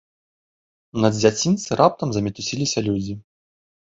На дзядзінцы раптам замітусіліся людзі.